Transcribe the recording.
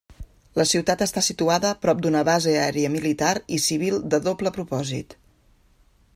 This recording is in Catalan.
La ciutat està situada prop d'una base aèria militar i civil de doble propòsit.